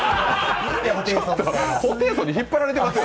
ホテイソンに引っ張られてますよ。